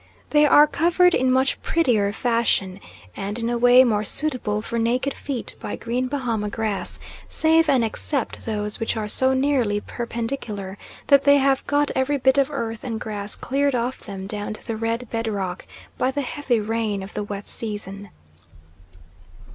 They are covered in much prettier fashion, and in a way more suitable for naked feet, by green Bahama grass, save and except those which are so nearly perpendicular that they have got every bit of earth and grass cleared off them down to the red bed rock, by the heavy rain of the wet season.